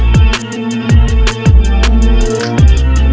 kawinin kalau perlu sekalian